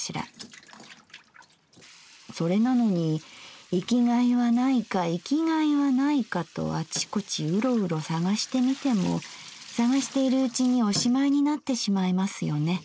それなのに生きがいはないか生きがいはないかとあちこちウロウロ探してみても探しているうちにおしまいになってしまいますよね。